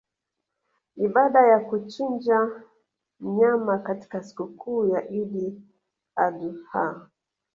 ibada ya kuchinja mnyama katika sikukuu ya Idi Adhu ha